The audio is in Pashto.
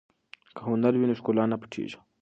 که هنر وي نو ښکلا نه پټیږي.